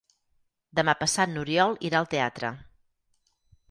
Demà passat n'Oriol irà al teatre.